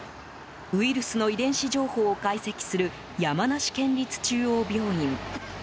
ウイルスの遺伝子情報を解析する山梨県立中央病院。